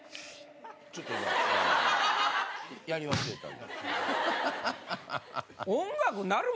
ちょっとやり忘れた。ハハハ。